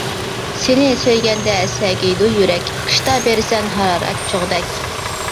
سېنى سۆيگەندە سەگىيدۇ يۈرەك، قىشتا بېرىسەن ھارارەت چوغدەك.